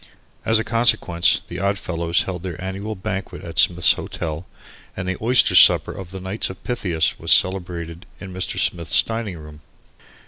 As a consequence the Oddfellows held their annual banquet at Smith's Hotel and the Oyster Supper of the Knights of Pythias was celebrated in Mr. Smith's dining room.